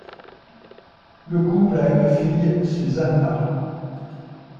Le couple a une fille, Susanna.